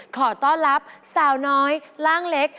ขอต้อนรับสาวน้อยร่างเล็ก